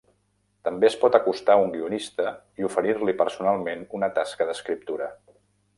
També es pot acostar a un guionista i oferir-li personalment una tasca d'escriptura.